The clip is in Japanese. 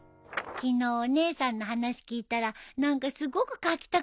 昨日お姉さんの話聞いたら何かすごく描きたくなっちゃって。